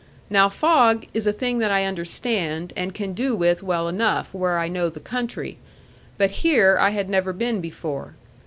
Now fog is a thing that I understand, and can do with well enough, where I know the country; but here I had never been before.